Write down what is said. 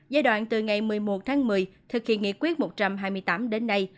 giai đoạn từ ngày một mươi một tháng một mươi thực hiện nghị quyết một trăm hai mươi tám đến nay